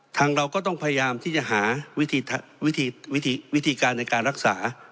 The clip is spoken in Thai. เราก็ต้องพยายามที่จะหาวิธีการในการรักษา